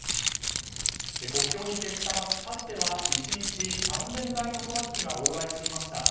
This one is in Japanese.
国境に接した街かつては１日３０００台のトラックが往来していました。